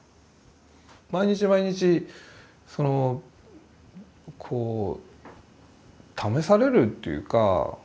毎日毎日そのこう試されるというか。